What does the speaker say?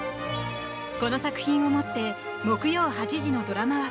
この作品をもって木曜８時のドラマ枠